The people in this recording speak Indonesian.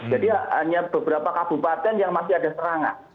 jadi hanya beberapa kabupaten yang masih ada serangan